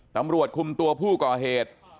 ตำรวจคุมตัวผู้ก่อเหตุ